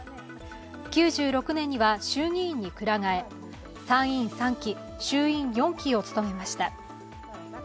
９６年には衆議院にくら替え参院３期、衆院４期を務めました。